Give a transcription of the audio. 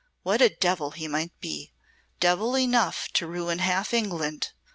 what a devil he might be devil enough to ruin half England.